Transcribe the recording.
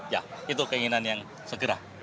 ya itu keinginan yang segera